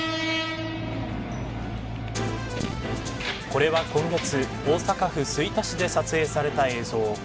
これは今月大阪府吹田市で撮影された映像。